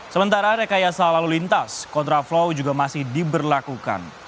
sementara rekayasa lalu lintas kontraflow juga masih diberlakukan